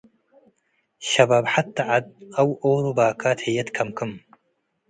ሸባብ ሐቴ ዐድ አው ዎሮ ባካት ህዬ ትከምክም ።